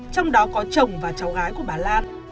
trong đó có chồng và cháu gái của bà lan